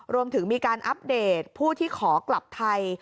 รวมถึงมีการอัปเดตผู้ที่ขอกลับไทย